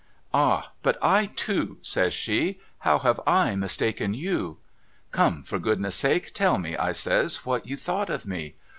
'Ah but I too' says she 'how have / mistaken yon .''' Come for goodness' sake tell me' I says 'what you thought of me